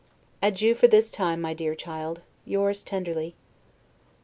Adieu for this time, my dear child. Yours tenderly.